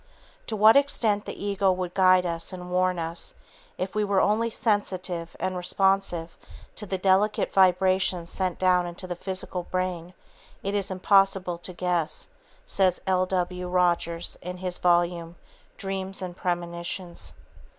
To what extent the ego would guide us and warn us, if we were only sensitive and responsive to the delicate vibrations sent down into the physical brain, it is impossible to guess, says L.W. Rogers in his volume, "Dreams and Premonitions."